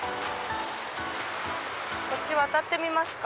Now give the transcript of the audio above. こっち渡ってみますか。